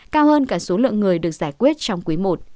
cao hơn cả số lượng người được giải quyết trong quý i